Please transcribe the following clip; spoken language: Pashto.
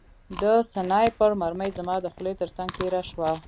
د سنایپر مرمۍ زما د خولۍ ترڅنګ تېره شوه